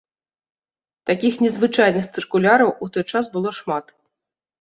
Такіх незвычайных цыркуляраў у той час было шмат.